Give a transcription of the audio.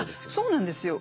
そうなんですよ。